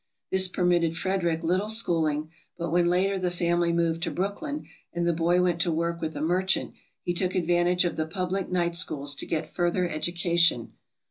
This permitted Frederick little schooling, but when later the family moved to Brooklyn, and the boy went to work with a merchant, he took advantage of the public night schools to get further education.